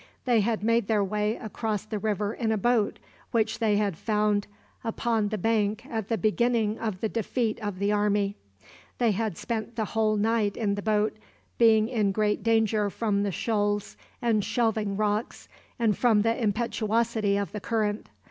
They had made their way across the river in a boat which they had found upon the bank at the beginning of the defeat of the army. They had spent the whole night in the boat, being in great danger from the shoals and shelving rocks, and from the impetuosity of the current.